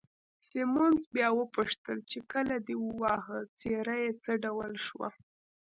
سیمونز بیا وپوښتل چې، کله دې وواهه، څېره یې څه ډول شوه؟